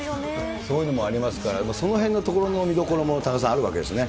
そういうのもありますから、そのへんのところの見どころも、田中さん、あるわけですよね。